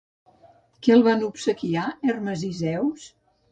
Què el van obsequiar Hermes i Zeus?